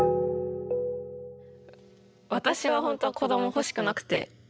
私はほんとは子ども欲しくなくて。